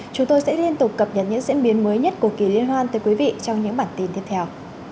chúng tôi sẽ liên tục cập nhật những diễn biến mới nhất của kỳ liên hoan tới quý vị trong những bản tin tiếp theo